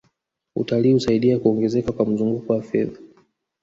utalii husaidia kuongezeka kwa mzunguko wa fedha